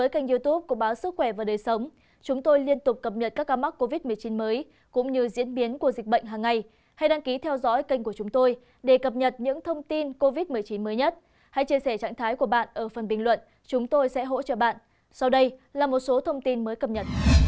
các bạn hãy đăng ký kênh để ủng hộ kênh của chúng mình nhé